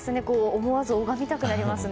思わず拝みたくなりますね。